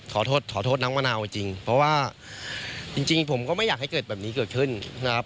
ขอโทษขอโทษน้องมะนาวจริงเพราะว่าจริงผมก็ไม่อยากให้เกิดแบบนี้เกิดขึ้นนะครับ